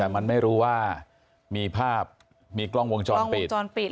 แต่มันไม่รู้ว่ามีภาพมีกล้องวงจรปิด